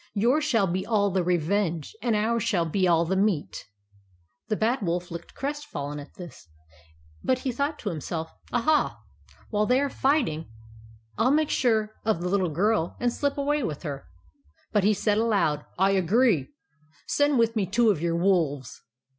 Yours shall be all the revenge, and ours shall be all the meat/' The Bad Wolf looked crestfallen at this ; but he thought to himself, " Aha ! while they are fighting, I '11 make sure of the little girl, and slip away with her." But he said aloud :—" I agree. Send with me two of your wolves."